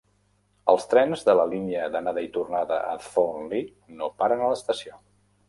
Els trens de la línia d'anada i tornada a Thornlie no paren a l'estació.